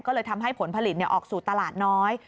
ก็เลยทำให้ผลผลิตออกสู่ตลาดน้อย